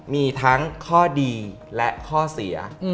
มีทั้งข้อดีและข้อเสีย